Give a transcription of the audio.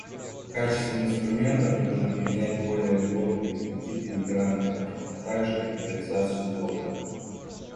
В качестве инструментов нужно применять более льготные кредиты и гранты, а также капитализацию долга.